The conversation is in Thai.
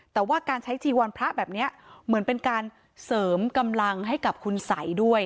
แต่ว่าการใช้จีวรพระแบบนี้เหมือนเป็นการเสริมกำลังให้กับคุณสัยด้วย